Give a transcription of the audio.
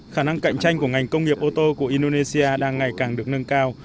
khả năng cạnh tranh của ngành công nghiệp ô tô của indonesia đang ngày càng được nâng cao